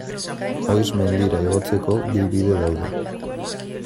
Oiz mendira igotzeko bi bide daude.